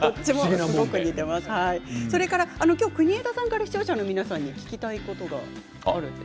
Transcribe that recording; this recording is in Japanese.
それから、国枝さんから視聴者の皆さんに聞きたいことがあると。